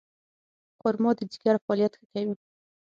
خرما د ځیګر فعالیت ښه کوي.